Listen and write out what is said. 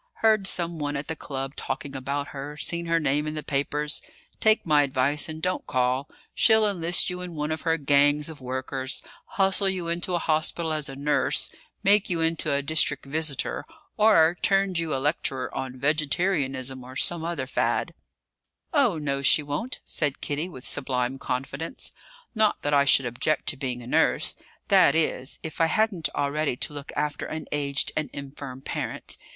"Heard some one at the Club talking about her; seen her name in the papers. Take my advice and don't call. She'll enlist you in one of her gangs of workers, hustle you into a hospital as a nurse, make you into a district visitor, or turn you a lecturer on vegetarianism or some other fad." "Oh no, she won't," said Kitty, with sublime confidence; "not that I should object to being a nurse that is, if I hadn't already to look after an aged and infirm parent.